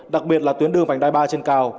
đặc biệt là tuyến đường vành đai ba trên cao